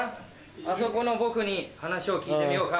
あそこのボクに話を聞いてみようか。